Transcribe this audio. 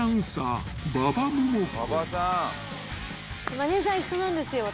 マネジャー一緒なんですよ私。